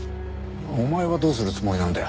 お前はどうするつもりなんだよ？